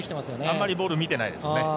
あまりボール見てないですよね。